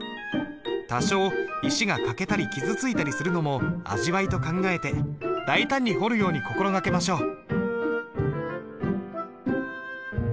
多少石が欠けたり傷ついたりするのも味わいと考えて大胆に彫るように心がけましょう。